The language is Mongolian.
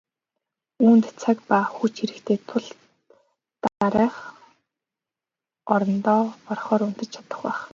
Үүнд цаг ба хүч хэрэгтэй тул дараа нь орондоо орохоор унтаж чадах байх.